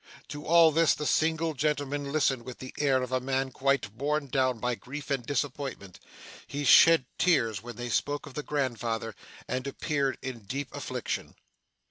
To all this, the single gentleman listened with the air of a man quite borne down by grief and disappointment. He shed tears when they spoke of the grandfather, and appeared in deep affliction.